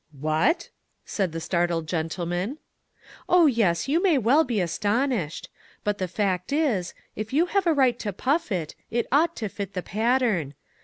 " What !" said the startled gentleman. " Oh, yes, you may well be astonished ; but the fact is, if you have a right to puff it, it ought to fit the pattern.